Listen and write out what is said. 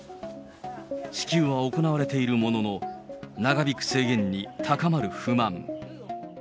支給は行われているものの、長引く制限に高まる不満。